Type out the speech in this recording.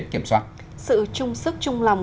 kiểm soát sự trung sức trung lòng